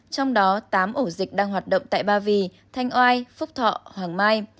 trong đó tám ổ dịch đang hoạt động tại ba vì thanh oai phúc thọ hoàng mai